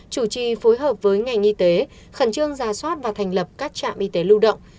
chủ trì phối hợp với ngành y tế khẩn trương ra soát và thành lập các trạm y tế lưu động